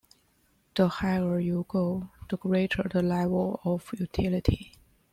The higher you go the greater the level of utility.